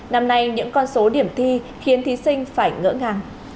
năm nay những con số điểm thi khiến thí sinh phải ngỡ ngàng